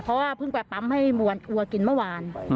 เพราะว่าเพิ่งไปปั๊มให้วัวกินเมื่อวาน